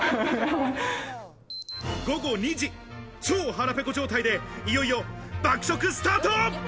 午後２時、超腹ペコ状態でいよいよ爆食スタート！